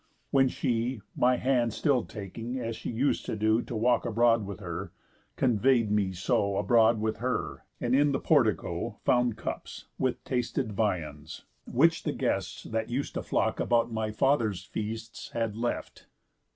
When she, (My hand still taking, as she us'd to do To walk abroad with her) convey'd me so Abroad with her, and in the portico Found cups, with tasted viands, which the guests That us'd to flock about my father's feasts Had left.